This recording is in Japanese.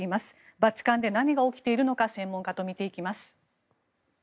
バチカンで何が起きているのか専門家と見ていきます。